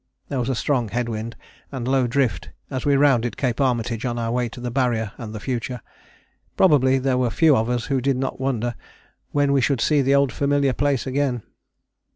There was a strong head wind and low drift as we rounded Cape Armitage on our way to the Barrier and the future. Probably there were few of us who did not wonder when we should see the old familiar place again.